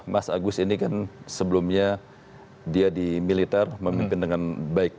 mas agus ini kan sebelumnya dia di militer memimpin dengan baik